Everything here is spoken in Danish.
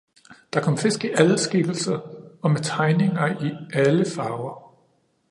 Der kom fisk i alle skikkelser og med tegninger i alle farver